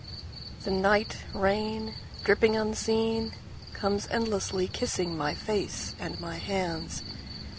THE NIGHT rain, dripping unseen, Comes endlessly kissing my face and my hands.